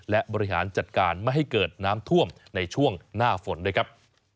และบริหารจัดการไม่ให้เกิดน้ำท่วมในช่วงหน้าฝนด้วยครับ